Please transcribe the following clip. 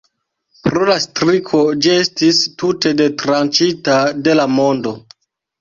Pro la striko ĝi estis tute detranĉita de la mondo.